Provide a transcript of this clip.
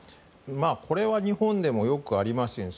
これは日本でもよくありますよね。